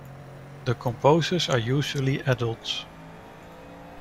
The composers are usually adults.